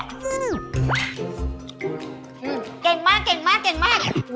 เก่งมากเก่งมากเก่งมาก